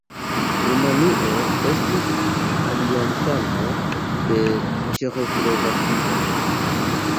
Rumanio estis aliancano de Ĉeĥoslovakio.